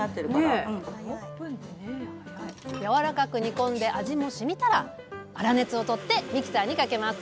やわらかく煮込んで味も染みたら粗熱を取ってミキサーにかけます